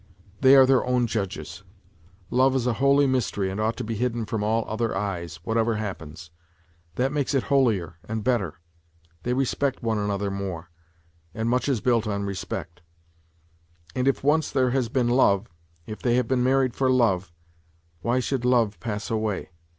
They are their own judges. Love is a holy mystery and ought to be hidden from all other eyes, whatever happens. That makes it holier and better. They respect one another more, and much is built on respect. And if once there has been love, if they have been married for love, why should love pass away